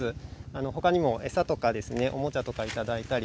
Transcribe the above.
他にも餌とか、おもちゃとかいただいたり。